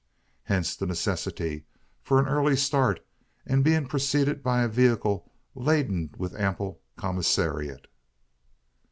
Hence the necessity for an early start, and being preceded by a vehicle laden with an ample commissariat.